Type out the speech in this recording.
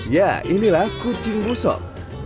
ya inilah kucing busok